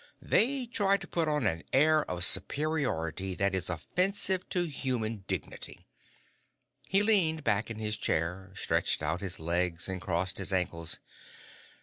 They try to put on an air of superiority that is offensive to human dignity." He leaned back in his chair, stretched out his legs, and crossed his ankles.